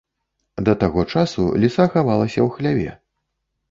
Да таго часу ліса хавалася ў хляве.